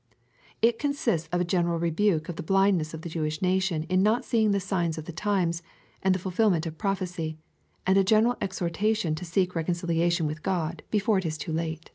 It consists of a general rebuke (»f the blindness of the Jewish nation in not seeing the signs of the times, and the ful« filment of prophecy, and a general exhortation to seek reconcilia tion with God, before it be too late.